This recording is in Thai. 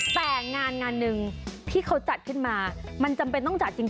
แต่งานงานหนึ่งที่เขาจัดขึ้นมามันจำเป็นต้องจัดจริง